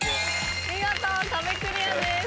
見事壁クリアです。